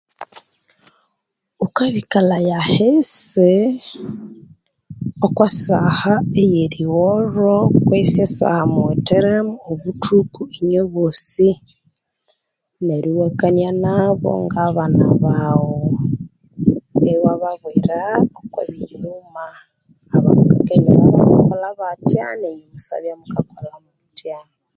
Ghukabikalhaya ahisi okwa saha eyerigholho kwesi esaha muwithiremu obuthuku iwababwira okwabyenyuma abandu bakera babya bakakolha batya nenyu kumusabya mukakolha mutya